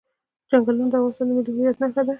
چنګلونه د افغانستان د ملي هویت نښه ده.